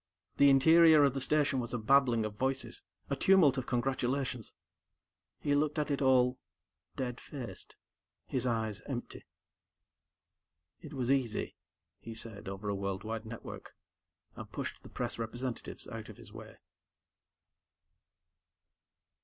The interior of the Station was a babbling of voices, a tumult of congratulations. He looked at it all, dead faced, his eyes empty. "It was easy," he said over a world wide network, and pushed the press representatives out of his way.